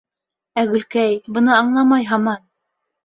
Ә Гөлкәй, быны аңламай, һаман: